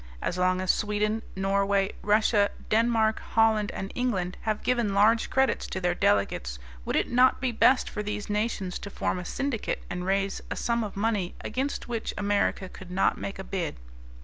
As long as Sweden, Norway, Russia, Denmark, Holland, and England have given large credits to their delegates, would it not be best for these nations to form a syndicate and raise a sum of money against which America could not make a bid?